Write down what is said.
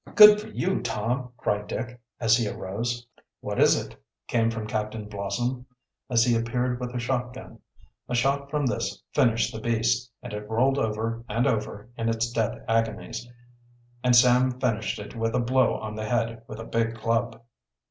"Good for you, Tom!" cried Dick, as he arose. "What is it?" came from Captain Blossom, as he appeared with a shotgun. A shot from this finished the beast and it rolled over and over in its death agonies, and Sam finished it with a blow on the head with a big club.